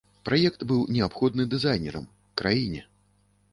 Праект быў неабходны дызайнерам, краіне.